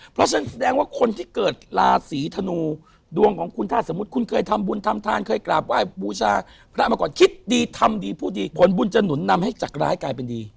เพราะฉะนั้นแสดงว่าคนที่เกิดราศีธนูดวงของคุณถ้าสมมุติคุณเคยทำบุญทำทานเคยกราบไหว้บูชาพระมาก่อนคิดดีทำดีพูดดีผลบุญจะหนุนนำให้จากร้ายกลายเป็นดี